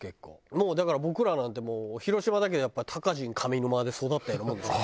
もうだから僕らなんて広島だけどやっぱりたかじん上沼で育ったようなもんですから。